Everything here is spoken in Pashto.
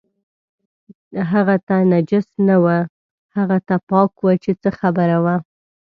هغه ته نجس نه و، هغه ته پاک و چې څه خبره وه.